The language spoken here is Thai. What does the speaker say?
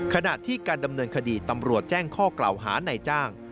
ขณะที่การดำเนินคดีตำรวจแจ้งข้อกล่าวหาในจ้าง